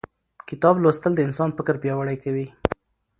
کتاب لوستل د انسان فکر پیاوړی کوي